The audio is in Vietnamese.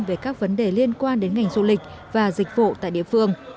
về các vấn đề liên quan đến ngành du lịch và dịch vụ tại địa phương